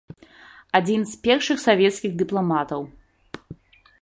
Адзін з першых савецкіх дыпламатаў.